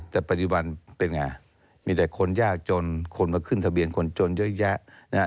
แต่ปัจจุบันเป็นไงมีแต่คนยากจนคนมาขึ้นทะเบียนคนจนเยอะแยะนะฮะ